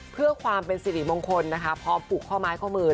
เพื่อความเป็นสิริมงคลพอผูกข้อม้ายข้อมือ